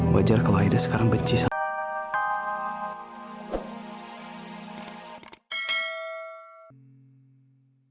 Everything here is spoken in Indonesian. wajar kalau aida sekarang benci sama aku